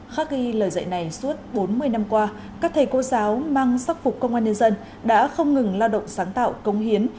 khắc ghi lời dạy này suốt bốn mươi năm qua các thầy cô giáo mang sắc phục công an nhân dân đã không ngừng lao động sáng tạo công hiến